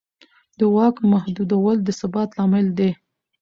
د واک محدودول د ثبات لامل دی